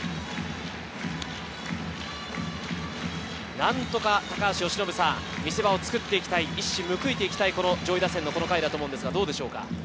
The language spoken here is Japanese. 何とか見せ場を作っていきたい、一矢報いてきたい、上位打線のこの回だと思うんですが、どうでしょうか。